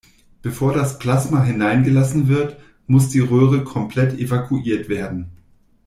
Bevor das Plasma hineingelassen wird, muss die Röhre komplett evakuiert werden.